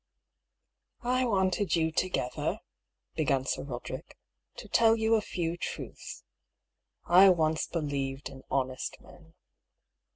" I wanted you together," began Sir Roderick, " to tell you a few truths. I once believed in honest men."